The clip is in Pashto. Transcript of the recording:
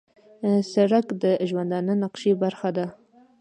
سړک د ژوندانه نقشې برخه ده.